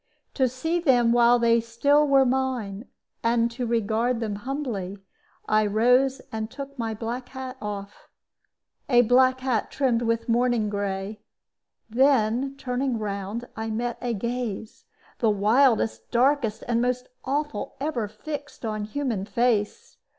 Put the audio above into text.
To see them while they still were mine, and to regard them humbly, I rose and took my black hat off a black hat trimmed with mourning gray. Then turning round, I met a gaze, the wildest, darkest, and most awful ever fixed on human face.